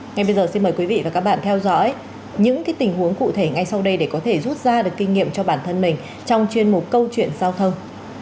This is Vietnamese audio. ngay bây giờ xin mời quý vị và các bạn theo dõi những tình huống cụ thể ngay sau đây để có thể rút ra được kinh nghiệm cho bản thân mình trong chuyên mục câu chuyện giao thông